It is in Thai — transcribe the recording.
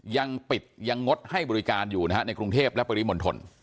ยังปิดยังงดให้บริการอยู่นะฮะในกรุงเทพและปริมณฑล